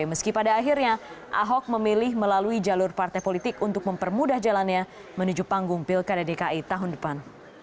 meski pada akhirnya ahok memilih melalui jalur partai politik untuk mempermudah jalannya menuju panggung pilkada dki tahun depan